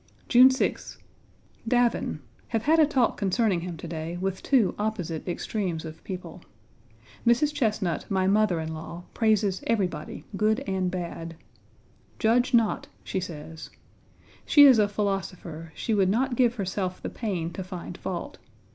June 6th. Davin! Have had a talk concerning him to day with two opposite extremes of people. Mrs. Chesnut, my mother in law, praises everybody, good and bad. "Judge not," she says. She is a philosopher; she would not give herself the pain to find fault.